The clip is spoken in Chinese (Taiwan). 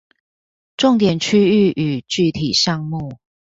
重點區域與具體項目